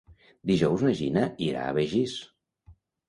Dijous na Gina irà a Begís.